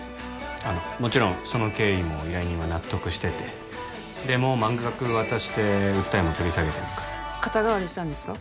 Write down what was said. あのもちろんその経緯も依頼人は納得しててでもう満額渡して訴えも取り下げてあるから肩代わりしたんですか？